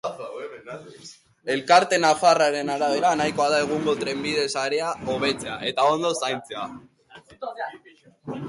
Elkarte nafarraren arabera, nahikoa da egungo trenbide sarea hobetzea eta ondo zaintzea.